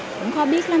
cũng khó biết lắm